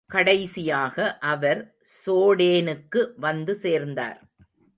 கடைசியாக அவர் சோடேனுக்கு வந்து சேர்ந்தார்.